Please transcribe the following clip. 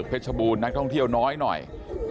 ก็หลายความก็พูดเป็นเสียงเดียวกันนะครับว่า